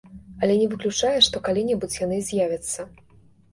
Але і не выключае, што калі-небудзь яны з'явяцца.